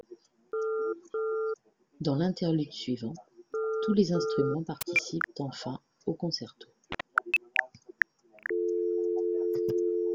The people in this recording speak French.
Dans l'interlude suivant, tous les instruments participent enfin au concerto.